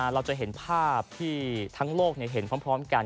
เราจะเห็นภาพที่ทั้งโลกเห็นพร้อมกัน